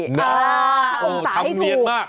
อ๋อทำเนียดมาก